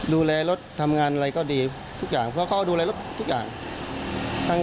ดูแลรถทำงานเราก็ดูแลรถทุกอย่าง